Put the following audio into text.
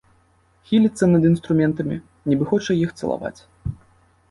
Хіліцца над інструментамі, нібы хоча іх цалаваць.